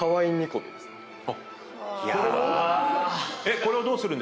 これをどうするんですか？